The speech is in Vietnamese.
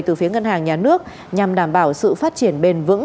từ phía ngân hàng nhà nước nhằm đảm bảo sự phát triển bền vững